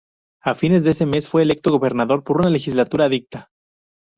A fines de ese mes, fue electo gobernador por una legislatura adicta.